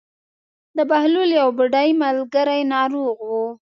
د بهلول یو بډای ملګری ناروغ و.